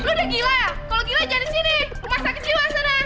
lu udah gila ya kalo gila jangan disini rumah sakit jiwa sana